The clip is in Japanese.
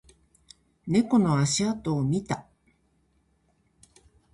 猫の足跡を見た